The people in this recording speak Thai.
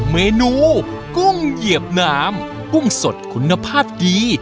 เมนูกุ้งเหยียบน้ำกุ้งสดคุณภาพดี